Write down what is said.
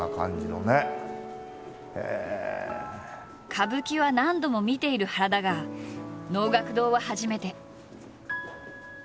歌舞伎は何度も見ている原だが能楽堂は初めて。